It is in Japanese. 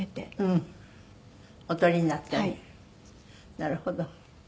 なるほど。